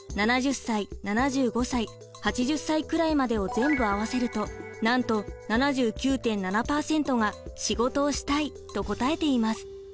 「７０歳」「７５歳」「８０歳くらいまで」を全部合わせるとなんと７９．７％が「仕事をしたい」と答えています。